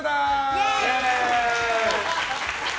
イエーイ！